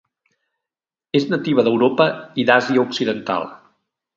És nativa d'Europa i d'Àsia occidental.